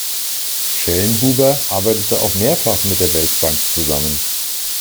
Schellnhuber arbeitete auch mehrfach mit der Weltbank zusammen.